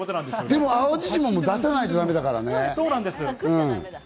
でも、淡路島も出さなきゃだめだからね。